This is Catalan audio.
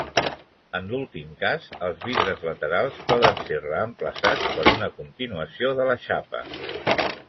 En l'últim cas, els vidres laterals poden ser reemplaçats per una continuació de la xapa.